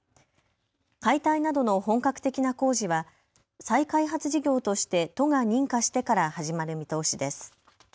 解体などの本格的な工事は再開発事業として都が認可してから始まる見通しです。